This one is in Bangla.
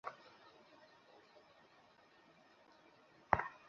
আমি তোমাকে হিমসের গভর্নর বানিয়ে পাঠাচ্ছি।